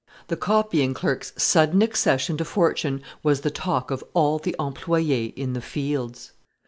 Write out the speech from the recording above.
The copying clerk's sudden accession to fortune was the talk of all the employés in "The Fields."